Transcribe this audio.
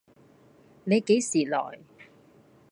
你幾時來